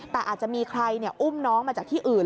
แต่อาจจะมีใครอุ้มน้องมาจากที่อื่น